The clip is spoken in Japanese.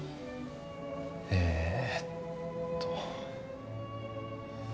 えーっと。